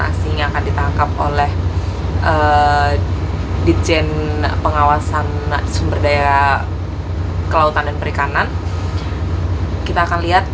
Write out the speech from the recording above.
asing yang akan ditangkap oleh ditjen pengawasan sumber daya kelautan dan perikanan kita akan lihat